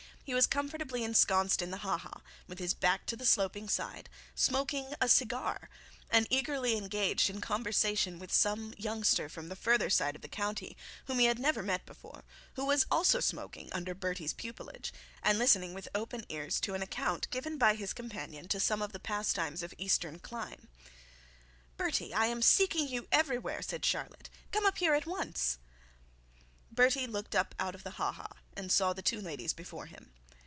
He was comfortably ensconced in the ha ha, with his back to the sloping side, smoking a cigar, and eagerly engaged in conversation with some youngster from the further side of the county, whom he had never met before, who was also smoking under Bertie's pupilage, and listening with open ears to an account given by his companion of some of the pastimes of the Eastern clime. 'Bertie, I am seeking you everywhere,' said Charlotte. 'Come up here at once.' Bertie looked up out of the ha ha, and saw the two ladies before him.